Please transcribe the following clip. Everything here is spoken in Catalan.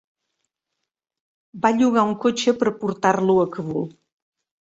Va llogar un cotxe per portar-lo a Kabul.